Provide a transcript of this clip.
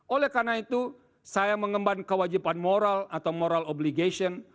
oleh karena itu saya mengemban kewajiban moral atau moral obligation